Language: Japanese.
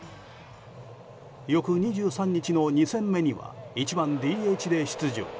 翌２３日の２戦目には１番ＤＨで出場。